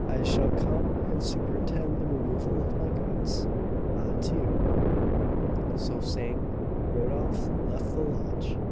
I shall come and superintend the removal of my goods. Adieu!" So saying, Rodolph left the lodge.